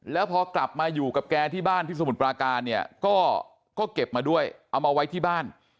แล้วพอกลับมาอยู่กับแกที่บ้านที่สมุทรปราการเนี่ยก็เก็บมาด้วยเอามาไว้ที่บ้าน